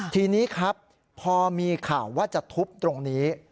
ทีนี้ครับพอมีข่าวว่าจะทุบตรงนี้